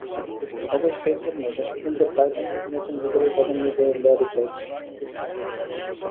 অথচ ফেসবুক নয়, শেষ পর্যন্ত টাইটানকে কিনছেন গুগলের প্রধান নির্বাহী ল্যারি পেজ।